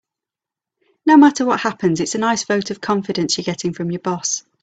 No matter what happens, it's a nice vote of confidence you're getting from your boss.